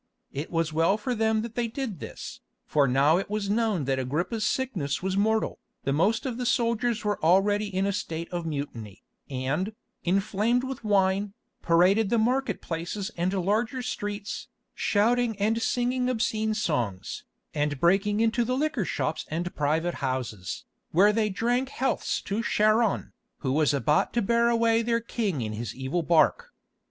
It was well for them that they did this, for now it was known that Agrippa's sickness was mortal, the most of the soldiers were already in a state of mutiny, and, inflamed with wine, paraded the market places and larger streets, shouting and singing obscene songs, and breaking into the liquor shops and private houses, where they drank healths to Charon, who was about to bear away their king in his evil bark.